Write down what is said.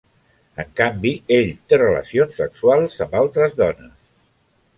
En canvi, ell té relacions sexuals amb altres dones.